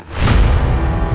ketiga ketiga ketiga